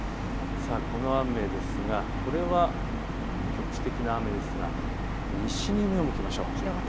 この雨ですがこれは局地的な雨ですが、西に目を向けましょう。